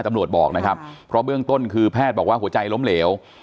ตำรวจบอกนะครับเพราะเบื้องต้นคือแพทย์บอกว่าหัวใจล้มเหลว